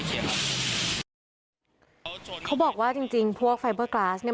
เขาบอกว่าจริงจริงพวกไฟเบอร์กราสเนี่ย